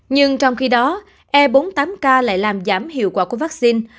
nhưng trong khi đó e bốn mươi tám k lại làm giảm hiệu quả của vaccine